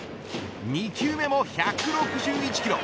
２球目も１６１キロ。